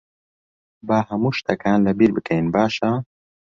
با هەموو شتەکە لەبیر بکەین، باشە؟